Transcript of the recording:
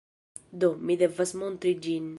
Do, mi devas montri ĝin.